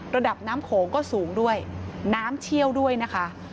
ระดับน้ำโขงก็สูงด้วยน้ำเชี่ยวด้วยนะคะ